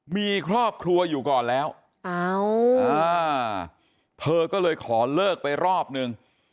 มีครอบครัวอยู่ก่อนแล้วเธอก็เลยขอเลิกไปรอบนึง